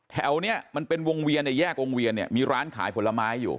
แถวเนี้ยมันเป็นวงเวียนในแยกวงเวียนเนี่ยมีร้านขายผลไม้อยู่